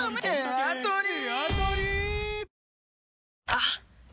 あっ！